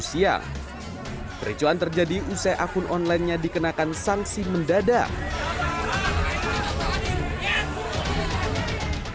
siang kericuan terjadi usai akun onlinenya dikenakan sanksi mendadak